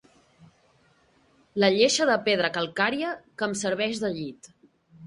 La lleixa de pedra calcària que em serveix de llit